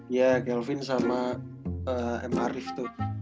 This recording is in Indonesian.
ya kelvin sama m arief tuh